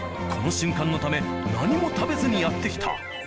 この瞬間のため何も食べずにやって来た。